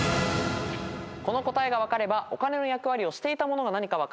この答えが分かればお金の役割をしていたものが何か分かるはず。